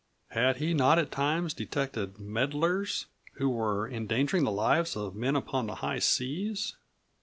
Had he not at times detected meddlers who were endangering the lives of men upon the high seas?